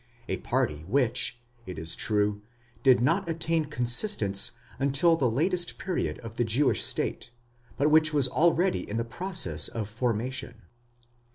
a party which, it is. true, did not attain consistence until the latest period of the Jewish state, but which was already in the process of formation.